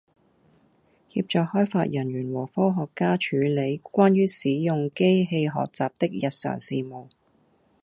協助開發人員和科學家處理關於使用機器學習的日常事務